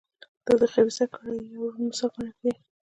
دا د خبیثه کړۍ یو روڼ مثال ګڼل کېږي.